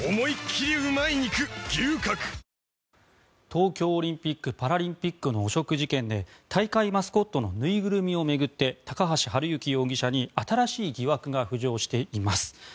東京オリンピック・パラリンピックの汚職事件で大会マスコットの縫いぐるみを巡って高橋治之容疑者に新しい疑惑が浮上しています。